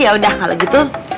yaudah kalo gitu